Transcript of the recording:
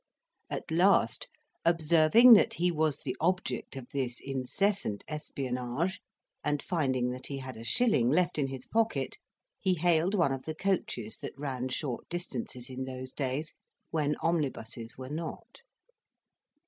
At last, observing that he was the object of this incessant espionage, and finding that he had a shilling left in his pocket, he hailed one of the coaches that ran short distances in those days when omnibuses were not.